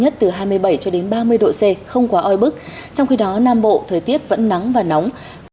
trong khi đó nam bộ thời tiết vẫn nắng và nóng